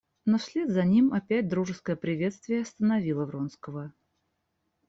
Но вслед за ним опять дружеское приветствие остановило Вронского.